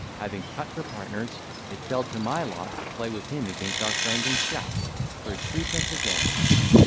Having cut for partners, it fell to my lot to play with him against our friend and Strap, for threepence a game.